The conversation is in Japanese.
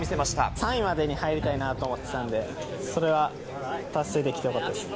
３位までに入りたいなと思ってたんで、それは達成できてよかったです。